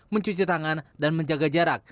mencuci tangan dan menjaga jarak